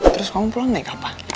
terus kamu pulang naik apa